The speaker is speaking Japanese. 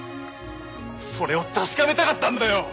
それを確かめたかったんだよ！